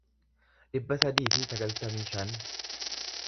dhibba sadii fi sagaltamii shan